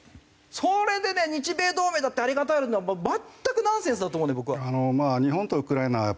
それでね日米同盟だってありがたがるのは全くナンセンスだと思うんで僕は。